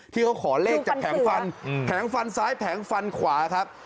ขอเลขจากแผงฟันแผงฟันซ้ายแผงฟันขวาครับ